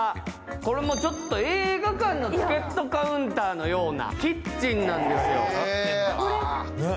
これもちょっと映画館のチケットカウンターのようなキッチンなんですよ。